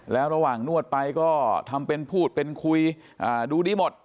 แล้วระหว่างนวดไปก็ทำเป็นพูดเป็นคุยดูดีหมด